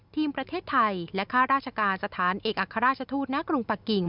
ทีมชาติไทยและค่าราชการสถานเอกอัครราชทูตณกรุงปะกิ่ง